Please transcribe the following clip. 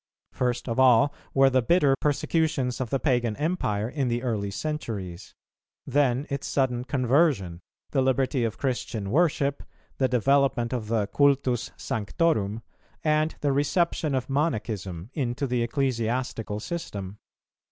First of all were the bitter persecutions of the Pagan Empire in the early centuries; then its sudden conversion, the liberty of Christian worship, the development of the cultus sanctorum, and the reception of Monachism into the ecclesiastical system.